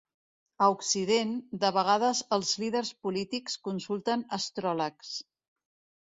A Occident, de vegades els líders polítics consulten astròlegs.